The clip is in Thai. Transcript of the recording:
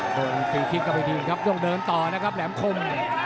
โดยคิดก็ไปดีครับย่องเดินต่อนะครับแหลมคม